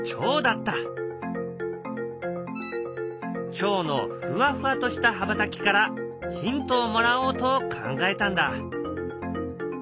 チョウのふわふわとした羽ばたきからヒントをもらおうと考えたんだ。